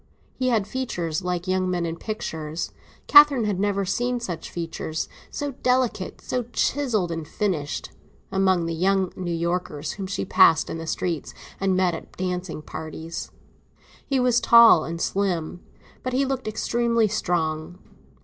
He had features like young men in pictures; Catherine had never seen such features—so delicate, so chiselled and finished—among the young New Yorkers whom she passed in the streets and met at parties. He was tall and slim, but he looked extremely strong.